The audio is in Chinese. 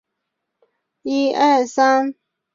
元朝至元十一年设置武定路。